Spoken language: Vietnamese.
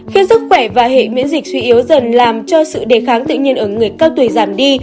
khi sức khỏe và hệ miễn dịch suy yếu dần làm cho sự đề kháng tự nhiên ở người cao tuổi giảm đi